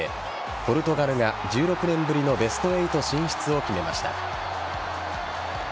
ポルトガルが１６年ぶりのベスト８進出を決めました。